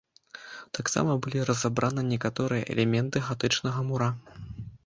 Таксама былі разабраны некаторыя элементы гатычнага мура.